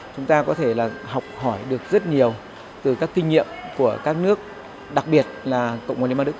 chúng ta có thể là học hỏi được rất nhiều từ các kinh nghiệm của các nước đặc biệt là cộng hòa liên bang đức